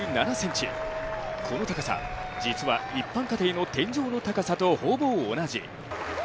この高さ、実は一般家庭の天井の高さとほぼ同じ。